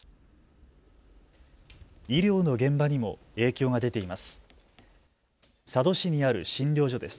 医療の現場にも影響が出ています。